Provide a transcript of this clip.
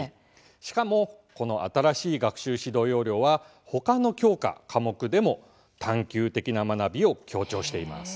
しかもこの新しい学習指導要領はほかの教科・科目でも探究的な学びを強調しています。